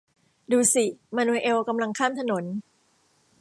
ดูสิ มานูเอลกำลังข้ามถนน